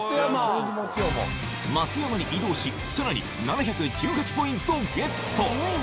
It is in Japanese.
松山に移動しさらに７１８ポイントゲット